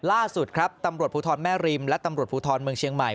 ล่าสุดครับตำรวจภูทรแม่ริมและตำรวจภูทรเมืองเชียงใหม่